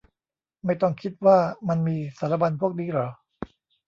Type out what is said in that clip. ไม่ต้องคิดว่ามันมีสารบัญพวกนี้หรอ